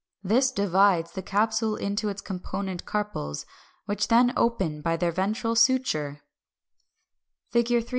This divides the capsule into its component carpels, which then open by their ventral suture.